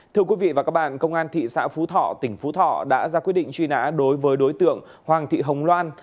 thưa quý vị và các bạn công an thị xã phú thọ tỉnh phú thọ đã ra quyết định truy nã đối với đối tượng hoàng thị hồng loan